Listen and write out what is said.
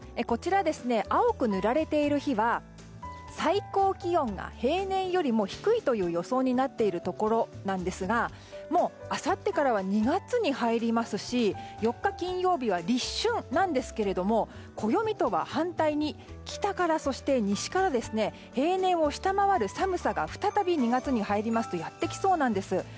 こちら、青く塗られている日は最高気温が平年よりも低いという予想になっているところなんですがもうあさってからは２月に入りますし４日、金曜日は立春なんですけど暦とは反対に北から、そして西から平年を下回る寒さが再び２月に入りますとやってきそうなんです。